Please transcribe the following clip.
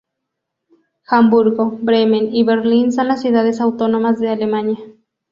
Hamburgo, Bremen y Berlín son las ciudades autónomas de Alemania.